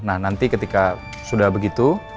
nah nanti ketika sudah begitu